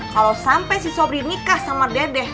kalo sampe si sobri nikah sama dede